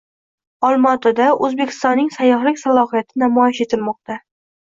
Olmaotada O‘zbekistonning sayyohlik salohiyati namoyish etilmoqda